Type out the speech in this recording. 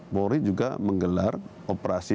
polri juga menggelar operasi